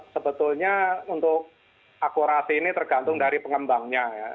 sebetulnya untuk akurasi ini tergantung dari pengembangnya ya